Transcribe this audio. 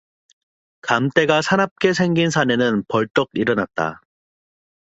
감때가 사납게 생긴 사내는 벌떡 일어났다.